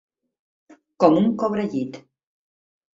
Com un cobrellit.